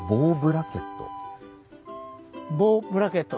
ボウブラケット。